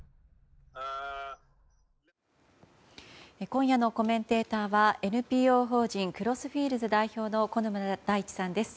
今夜のコメンテーターはＮＰＯ法人クロスフィールズ代表の小沼大地さんです。